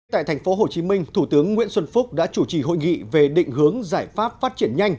tại thành phố hồ chí minh thủ tướng nguyễn xuân phúc đã chủ trì hội nghị về định hướng giải pháp phát triển nhanh